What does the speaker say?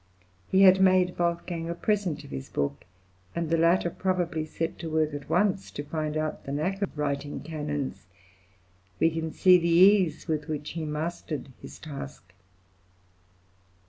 He had made Wolfgang a present of his book, and the latter probably set to work at once to find out the knack of writing canons. We can see the ease with which he mastered his task.